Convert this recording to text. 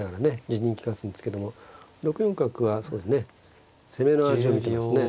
自陣に利かすんですけども６四角はそうですね攻めの味を見てますね。